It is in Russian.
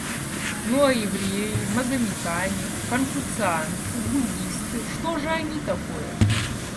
Ну, а евреи, магометане, конфуцианцы, буддисты — что же они такое?